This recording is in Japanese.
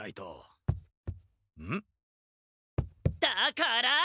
だから！